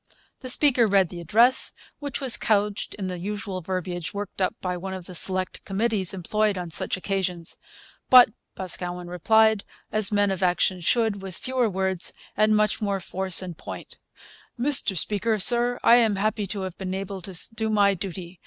The speaker read the address, which was couched in the usual verbiage worked up by one of the select committees employed on such occasions. But Boscawen replied, as men of action should, with fewer words and much more force and point: 'Mr Speaker, Sir, I am happy to have been able to do my duty.